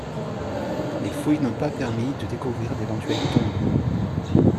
Les fouilles n'ont pas permis de découvrir d'éventuelle tombe.